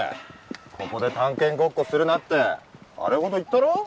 ここで探検ごっこするなってあれほど言ったろ。